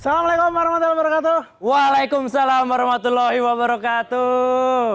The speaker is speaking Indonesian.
assalamualaikum warahmatullahi wabarakatuh waalaikumsalam warahmatullahi wabarakatuh